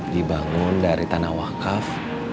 dibangun dari tanah wakaf